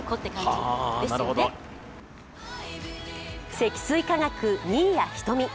積水化学・新谷仁美。